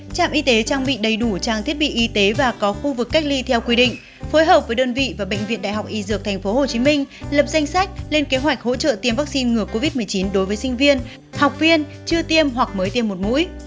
trạm y tế trang bị đầy đủ trang thiết bị y tế và có khu vực cách ly theo quy định phối hợp với đơn vị và bệnh viện đại học y dược tp hcm lập danh sách lên kế hoạch hỗ trợ tiêm vaccine ngừa covid một mươi chín đối với sinh viên học viên chưa tiêm hoặc mới tiêm một mũi